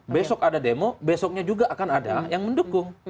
besok ada demo besoknya juga akan ada yang mendukung